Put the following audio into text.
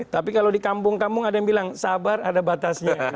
tapi kalau di kampung kampung ada yang bilang sabar ada batasnya